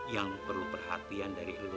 yang perlu perhatian dari dulu